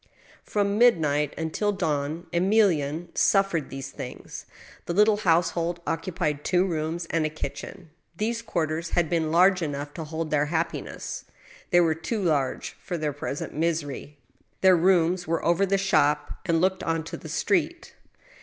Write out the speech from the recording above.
From midnight until dawn Emilienne suffered these things. The little household occupied two rooms and a'kitchen. 'These <juarters had been large enough to hold their happiness, they were too large for their present misery. Their rooms were over the shop, and looked on to the street.